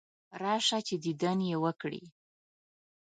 راشه چې دیدن یې وکړې.